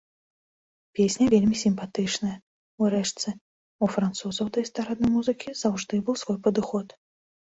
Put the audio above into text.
Песня вельмі сімпатычная, урэшце, у французаў да эстраднай музыкі заўжды быў свой падыход.